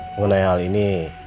mengenai hal ini